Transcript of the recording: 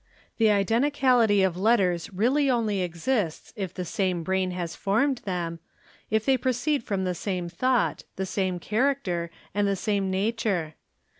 The identicality of letters really only exists mT me eae | if the same brain has formed them, if they proceed from the same thought, the same character, and the same nature.